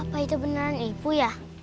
apa itu beneran ibu ya